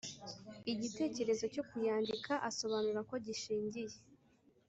Igitekerezo cyo kuyandika asobanura ko gishingiye